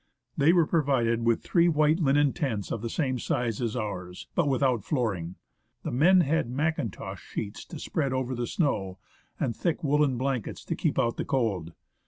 They were provided with three white linen tents of the same size as ours, but without flooring. The men had mackintosh sheets to spread over the snow, and thick woollen blankets to keep out the cold.